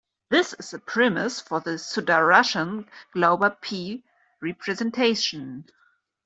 This is the premise for the Sudarshan-Glauber P representation.